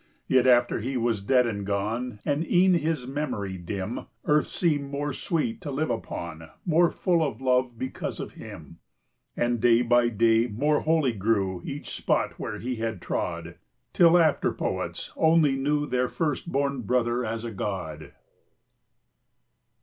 Yet after he was dead and gone, And e'en his memory dim, Earth seemed more sweet to live upon, More full of love, because of him. 40 And day by day more holy grew Each spot where he had trod, Till after poets only knew Their first born brother as a god.